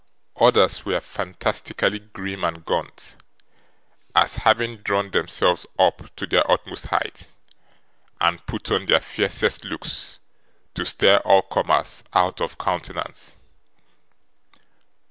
Others, were fantastically grim and gaunt, as having drawn themselves up to their utmost height, and put on their fiercest looks to stare all comers out of countenance.